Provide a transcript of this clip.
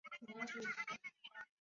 出生于爱知县名古屋市。